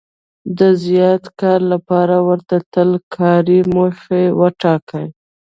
د زیات کار لپاره ورته تل کاري موخه ټاکي.